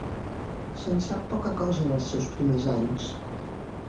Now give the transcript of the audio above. Se'n sap poca cosa, dels seus primers anys.